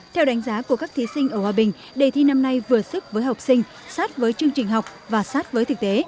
theo đánh giá của các thí sinh ở hòa bình đề thi năm nay vừa sức với học sinh sát với chương trình học và sát với thực tế